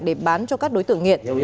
để bán cho các đối tượng nghiện